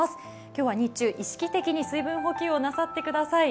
今日は日中、意識的に水分補給をなさってください。